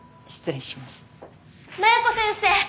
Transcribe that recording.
麻弥子先生！